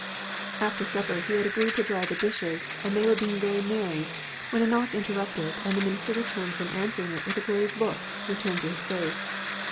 After supper he had agreed to dry the dishes, and they were being very merry, when a knock interrupted, and the minister returned from answering it with the grave look returned to his face.